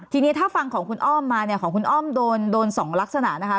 ทีนี้ถ้าฟังของคุณอ้อมมาเนี่ยของคุณอ้อมโดน๒ลักษณะนะคะ